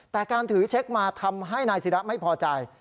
แต่การถือเช็คมาทำให้นายศิระไม่พอใจ